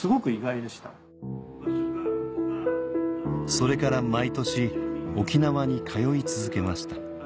それから毎年沖縄に通い続けました